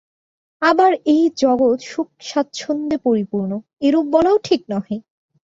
আবার এই জগৎ সুখ-স্বাচ্ছন্দ্যে পরিপূর্ণ, এরূপ বলাও ঠিক নহে।